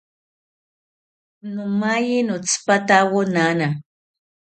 Nomaye notzipatawo nana